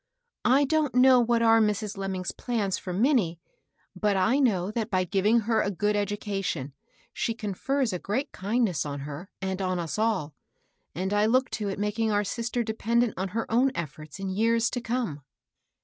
HILDA. 37 I don't know what are Mrs. Lemming's plans for Minnie ; but I know that by giving her a good ed ucation, she confers a great kindness on her, and on us all ; and I look to it making our sister de pendent on her own efforts in years to come."